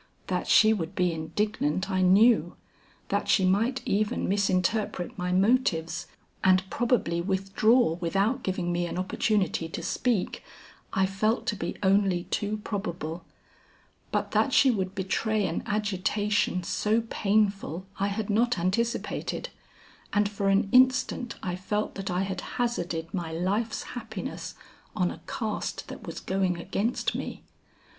That she would be indignant I knew, that she might even misinterpret my motives and probably withdraw without giving me an opportunity to speak, I felt to be only too probable, but that she would betray an agitation so painful I had not anticipated, and for an instant I felt that I had hazarded my life's happiness on a cast that was going against me.